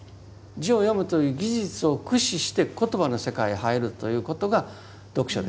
字を読むという技術を駆使して言葉の世界へ入るということが読書ですから。